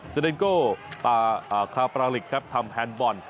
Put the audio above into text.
เซเดนโกปาคาปราหลิกครับทำแฮนด์บอล